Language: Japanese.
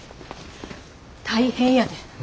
大変やで！